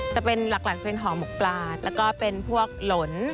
จะเป็นหอมหมวกปลาแล้วก็เป็นพวกหลน